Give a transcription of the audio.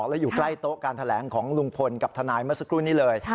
แล้วอยู่ใกล้โต๊ะการแถลงของลุงพลกับทนายเมื่อสักครู่นี้เลย